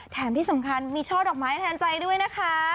แถมที่สำคัญมีช่อดอกไม้แทนใจด้วยนะคะ